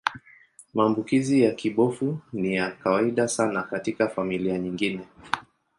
Maambukizi ya kibofu ni ya kawaida sana katika familia nyingine.